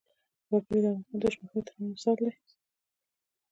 وګړي د افغانستان د جغرافیوي تنوع مثال دی.